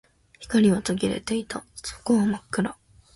光は途切れていた。底は真っ暗。